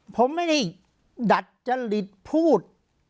ผมไม่ได้ดัดจริตพูด